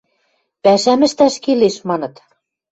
Пӓшӓм ӹштӓш келеш! – маныт.